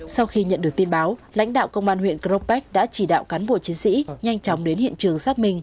sau khi nhận được tin báo lãnh đạo công an huyện cropec đã chỉ đạo cán bộ chiến sĩ nhanh chóng đến hiện trường xác minh